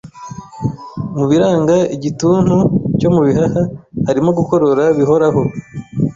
Mu biranga igituntu cyo mu bihaha harimo gukorora bihoraho